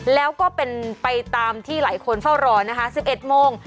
แล้วก็เป็นไปตามที่หลายคนเฝ้ารอนะคะ๑๑โมง